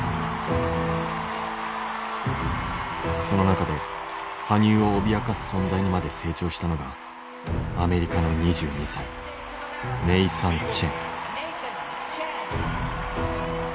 その中で羽生を脅かす存在にまで成長したのがアメリカの２２歳ネイサン・チェン。